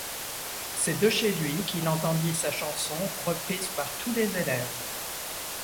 C'est de chez lui qu'il entendit sa chanson reprise par tous les élèves.